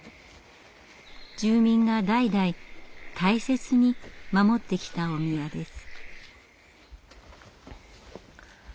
住民が代々大切に守ってきたお宮です。